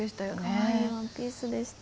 かわいいワンピースでした。